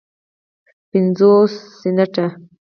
پینځوس سنټه